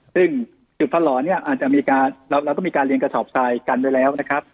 ซึ่งจุดฟันหล่อเนี่ยเราก็มีการเลียนกระสอบทรายกันด้วยแล้วนะครับ